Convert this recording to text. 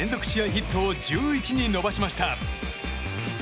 ヒットを１１に伸ばしました。